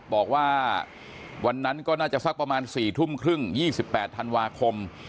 บอกว่าวันนั้นก็น่าจะสักประมาณ๔๓๐น๒๘ทานวาคม